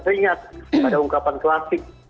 teringat pada ungkapan klasik